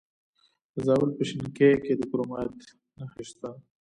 د زابل په شینکۍ کې د کرومایټ نښې شته.